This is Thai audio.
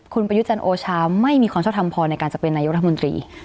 คุณประยุจันทร์โอชาไม่มีความชอบทำพอในการจะเป็นนายกรัฐมนตรี